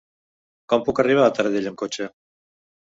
Com puc arribar a Taradell amb cotxe?